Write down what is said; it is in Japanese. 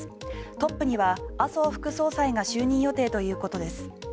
トップには麻生副総裁が就任予定ということです。